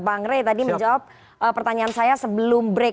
bang rey tadi menjawab pertanyaan saya sebelum break